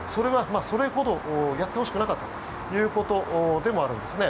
それほどやってほしくなかったということでもあるんですね。